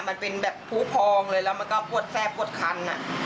มันเป็นแบบผู้พองเลยแล้วมันก็ปวดแฟบปวดคัน